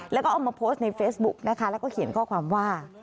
แล้วก็เอามาโพสต์ในเฟซบุ๊กนะคะแล้วก็เขียนข้อความว่า